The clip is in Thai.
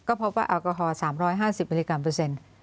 ก็พบว่าแอลกอฮอล๓๕๐มิลลิกรัมเปอร์เซ็นต์